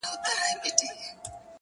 يوه ورځ ابليس راټول كړل اولادونه -